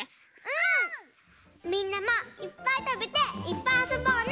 みんなもいっぱいたべていっぱいあそぼうね！